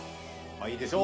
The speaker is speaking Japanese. まあいいでしょう。